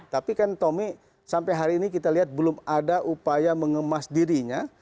tapi kan tommy sampai hari ini kita lihat belum ada upaya mengemas dirinya